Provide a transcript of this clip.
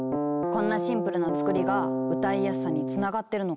こんなシンプルな作りが歌いやすさにつながってるのかも！